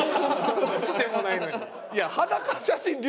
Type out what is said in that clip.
してもないのに。